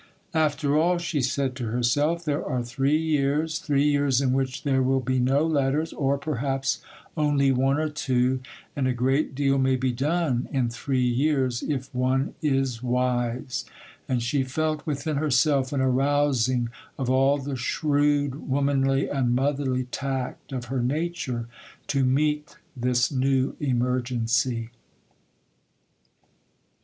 'After all,' she said to herself, 'there are three years,—three years in which there will be no letters, or perhaps only one or two,—and a great deal may be done in three years, if one is wise;'—and she felt within herself an arousing of all the shrewd womanly and motherly tact of her nature to meet this new emergency.